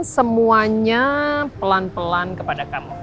semuanya pelan pelan kepada kamu